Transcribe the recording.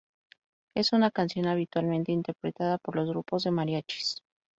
Es una canción habitualmente interpretada por los grupos de mariachis.